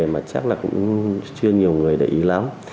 mà chắc là cũng chưa nhiều người để ý lắm